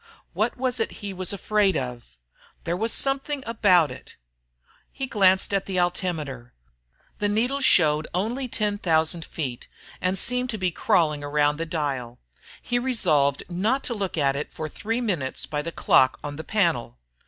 What was it he was afraid of? There was something about it He glanced at the altimeter. The needle showed only 10,000 feet, and seemed to be crawling around the dial. He resolved not to look at it for three minutes by the clock on the panel.